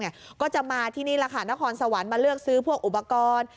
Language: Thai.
ก็จะมาที่นี่แหละค่ะนครสวรรค์มาเลือกซื้อพวกอุปกรณ์